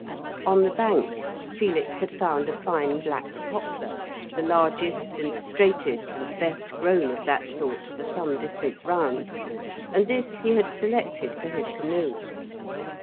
On the bank Felix had found a fine black poplar, the largest and straightest and best grown of that sort for some distance round, and this he had selected for his canoe.